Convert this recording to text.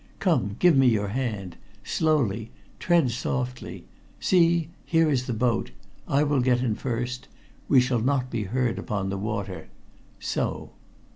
Come, give me your hand. Slowly. Tread softly. See, here is the boat. I will get in first. We shall not be heard upon the water. So."